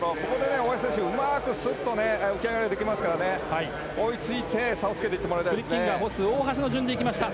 大橋選手、うまくすっと起き上がれてきますから追いついて差をつけてもらいたいですね。